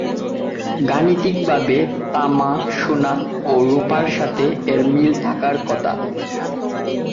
গাণিতিকভাবে তামা, সোনা ও রূপার সাথে এর মিল থাকার কথা।